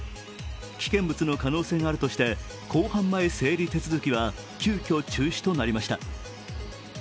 危険物の可能性があるとして公判前整理手続は急きょ中止となりました。